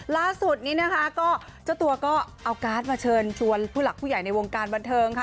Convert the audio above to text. ล่าสุดนี้นะคะก็เจ้าตัวก็เอาการ์ดมาเชิญชวนผู้หลักผู้ใหญ่ในวงการบันเทิงค่ะ